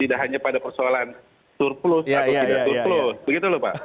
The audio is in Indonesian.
tidak hanya pada persoalan surplus atau tidak surplus begitu lho pak